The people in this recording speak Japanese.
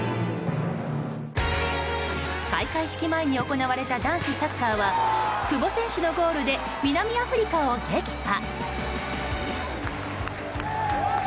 開会式前に行われた男子サッカーは久保選手のゴールで南アフリカを撃破。